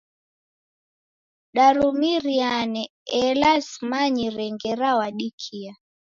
Darumiriane ela simanyire ngera wadikia.